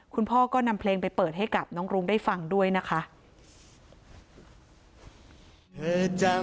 คุณพ่อก็นำเพลงไปเปิดให้กับน้องรุ้งได้ฟังด้วยนะคะ